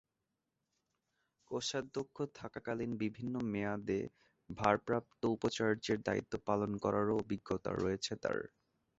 কোষাধ্যক্ষ থাকাকালীন বিভিন্ন মেয়াদে ভারপ্রাপ্ত উপাচার্যের দায়িত্ব পালন করারও অভিজ্ঞতা রয়েছে তার।